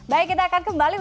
baik kita akan kembali